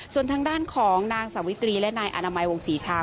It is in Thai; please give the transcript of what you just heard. ส่วนทางด้านของนางสาวิตรีและนายอนามัยวงศรีชา